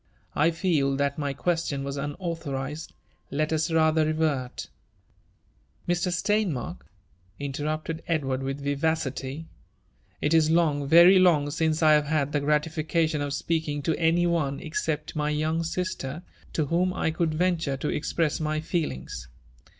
'* I feel that my question was upautborii^d. Let us rather revert." *' Mr^ Steinmarkl" interrupted Edward with yivarily, '^itif loig, very long, since I have bad the gratification of speaking to any om^ ncept my young sister, to whom I could venture to expr^i ^y fetl ings.